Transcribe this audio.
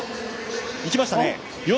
行きましたね。